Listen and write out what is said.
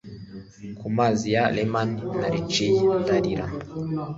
Ku mazi ya Leman naricaye ndarira